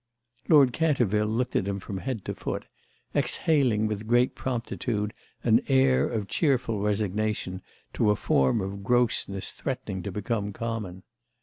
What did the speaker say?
Lord Canterville looked at him from head to foot, exhaling with great promptitude an air of cheerful resignation to a form of grossness threatening to become common.